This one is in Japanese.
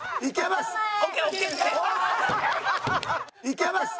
いけます！